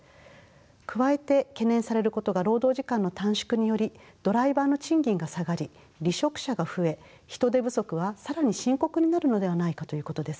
加えて懸念されることが労働時間の短縮によりドライバーの賃金が下がり離職者が増え人手不足は更に深刻になるのではないかということです。